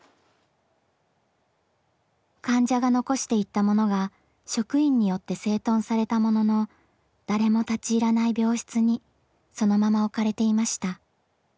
患者が残していったものが職員によって整頓されたものの誰も立ち入らない病室にそのまま置かれていました。